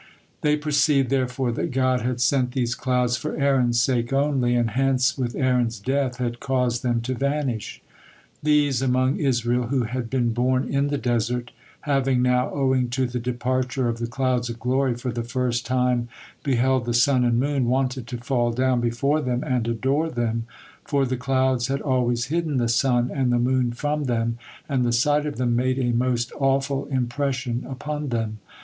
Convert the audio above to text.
They perceived, therefore, that God had sent these clouds for Aaron's sake only, and hence, with Aaron's death, had caused them to vanish. These among Israel who had been born in the desert, having now, owing to the departure of the clouds of glory, for the first time beheld the sun and moon, wanted to fall down before them and adore them, for the clouds had always hidden the sun and the moon from them, and the sight of them made a most awful impression upon them.